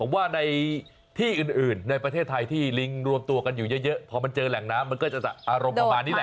ว่าในที่อื่นในประเทศไทยที่ลิงรวมตัวกันอยู่เยอะพอมันเจอแหล่งน้ำมันก็จะอารมณ์ประมาณนี้แหละ